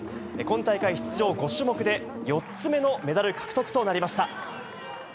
今大会出場５種目で、４つ目のメダル獲得となりました。